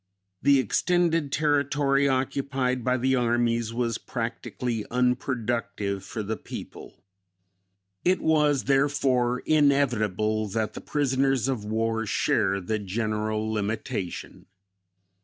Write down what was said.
The extended territory occupied by the armies was practically unproductive for the people. It was, therefore, inevitable that the prisoners of war share the general limitation.